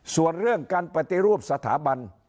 ส่วนเรื่องการปฏิรูปสถาบัน